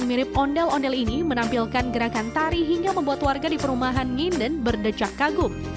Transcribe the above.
menampilkan gerakan tari hingga membuat warga di perumahan nginden berdecak kagum